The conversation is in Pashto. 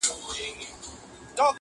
وارخطا ژبه یې وچه سوه په خوله کي.!